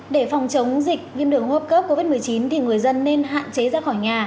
để phòng chống dịch viêm đường hô hấp cấp covid một mươi chín thì người dân nên hạn chế ra khỏi nhà